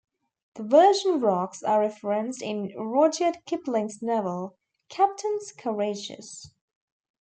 The Virgin Rocks are referenced in Rudyard Kipling's novel, Captains Courageous.